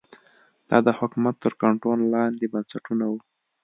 دا د حکومت تر کنټرول لاندې بنسټونه وو